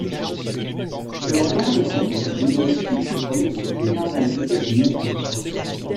Selon Florent le Comte, Il aurait sculpté pour l’église des Invalides une Assomption.